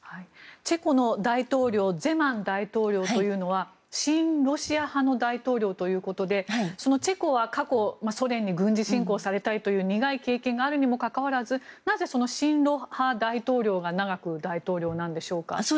チェコの大統領ゼマン大統領というのは親ロシア派の大統領ということでチェコは過去ソ連に軍事侵攻されたりという苦い経験があるにもかかわらずなぜ、親ロ派大統領が長く大統領なんでしょうか。